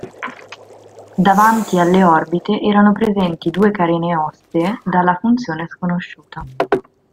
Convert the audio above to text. Davanti alle orbite erano presenti due carene ossee, dalla funzione sconosciuta.